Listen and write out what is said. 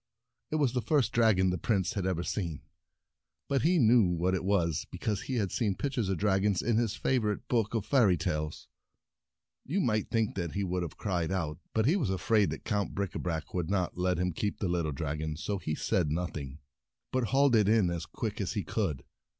It was the first dragon the Prince had ever seen, but he knew what it was because he had seen pictures of dragons in his favorite book of Fairy Tales. You might think that he would have cried out, but he was afraid that Count Bricabrac would not Haul ing in A Dragon 24 The Prince It Yowled l et him keep the little dragon, so he said nothing, but hauled it in as quick as he could.